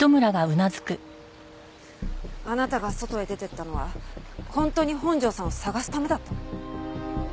あなたが外へ出ていったのは本当に本庄さんを捜すためだったの？